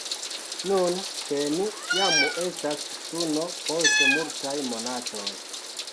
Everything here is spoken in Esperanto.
Nun ĉe ni jam estas suno post multaj monatoj.